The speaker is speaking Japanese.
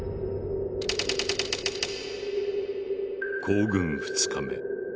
行軍２日目。